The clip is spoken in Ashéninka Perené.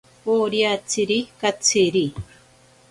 Oriatsiri katsiri.